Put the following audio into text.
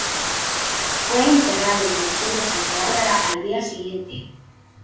Fue enterrado en la Misión de Santa Bárbara al día siguiente.